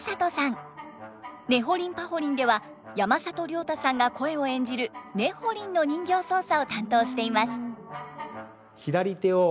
「ねほりんぱほりん」では山里亮太さんが声を演じるねほりんの人形操作を担当しています。